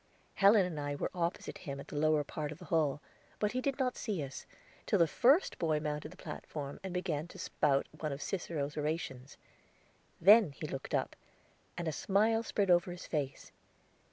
Helen and I were opposite him at the lower part of the hall, but he did not see us, till the first boy mounted the platform, and began to spout one of Cicero's orations; then he looked up, and a smile spread over his face.